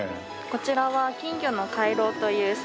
こちらが金魚の滝という。